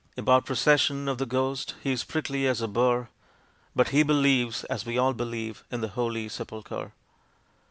About Procession of the Ghost he's prickly as a burr, But he believes, as we all believe, in the Holy Sepulchre!